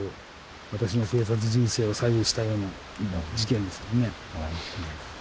私の警察人生を左右したような事件ですもんね。